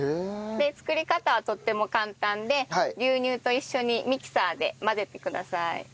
作り方はとっても簡単で牛乳と一緒にミキサーで混ぜてください。